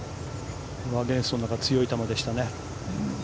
アゲインストの中、強い球でしたね。